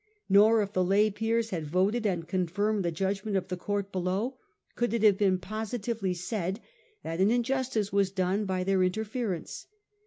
Nor if the lay peers had voted and confirmed the judgment of the court below, could it have been posi tively said that an injustice was done by their inter ference.